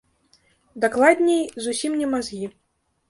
Дакладней, зусім не мазгі.